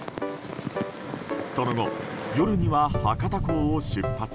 その後、夜には博多港を出発。